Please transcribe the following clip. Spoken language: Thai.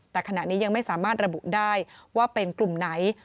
แต่ขณะนี้ยังไม่สามารถระบุได้ว่าเป็นกลุ่มไหน